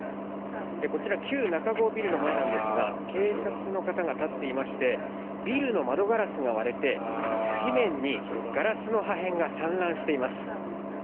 こちら、ビルの前なんですが警察の方が立っていまして、ビルの窓ガラスが割れて、地面にガラスの破片が散乱しています。